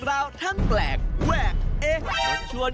กัดอีกแล้ว